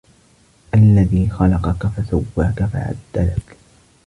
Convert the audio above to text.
الَّذي خَلَقَكَ فَسَوّاكَ فَعَدَلَكَ